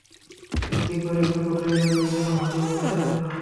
কি করিবেন কোথায় যাইবেন যেন ভাবিয়া পাইতেছেন না।